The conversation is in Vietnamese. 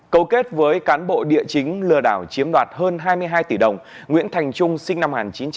câu kết với cán bộ địa chính lừa đảo chiếm đoạt hơn hai mươi hai tỷ đồng nguyễn thành trung sinh năm một nghìn chín trăm tám mươi